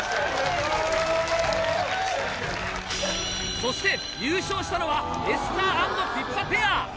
そして優勝したのはエスター＆ピッパペア。